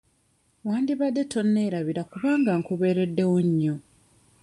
Wandibadde tonneerabira kubanga nkubeereddewo nnyo.